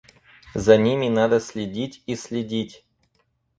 За ними надо следить и следить.